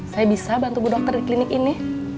saya bisa bantu bu dokter di klinik ini